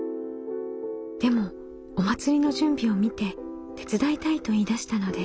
でもお祭りの準備を見て手伝いたいと言いだしたのです。